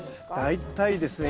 大体ですね